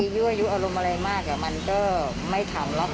ยู่อารมณ์อะไรมากมันก็ไม่ทำแล้ว